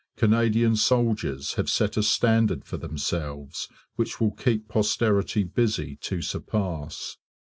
Canadian soldiers have set a standard for themselves which will keep posterity busy to surpass.